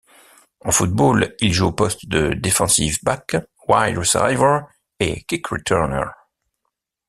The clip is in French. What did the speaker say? En football, il joue aux postes de defensive back, wide receiver et kick returner.